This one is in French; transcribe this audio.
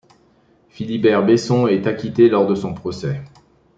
Philibert Besson est acquitté lors de son procès.